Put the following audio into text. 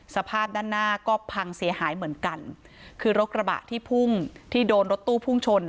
สภาพด้านหน้าก็พังเสียหายเหมือนกันคือรถกระบะที่พุ่งที่โดนรถตู้พุ่งชนอ่ะ